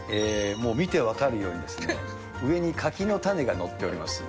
見て分かるように、上に柿の種が載っております。